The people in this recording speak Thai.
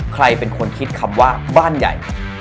ใครเป็นคนคิดคำว่าบ้านใหญ่